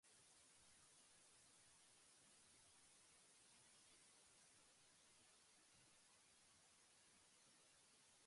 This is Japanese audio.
吾輩は彼の名を聞いて少々尻こそばゆき感じを起こすと同時に、一方では少々軽侮の念も生じたのである